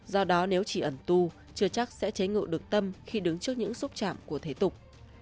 do đó nếu chỉ ẩn tu chưa chắc sẽ cháy ngự được tâm khi đứng trước những xúc chạm của thế tục